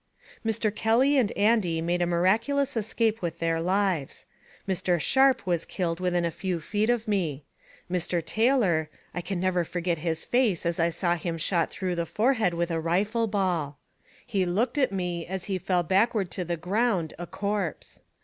Mr. Kelly and Andy made a miraculous escape with their lives. Mr. Sharp was killed within a few feet of me. Mr. Taylor I never can forget his face as I saw him shot through the forehead with a rifle ball. He looked at me as he fell backward to the ground a corpse.